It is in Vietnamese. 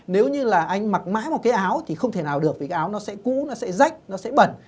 nếu như là anh mặc mãi một cái áo thì không thể nào được vì cái áo nó sẽ cũ nó sẽ rách nó sẽ bẩn